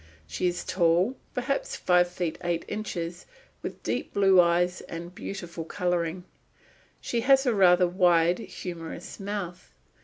She is tall, perhaps five feet eight inches, with deep blue eyes and beautiful colouring. She has a rather wide, humorous mouth.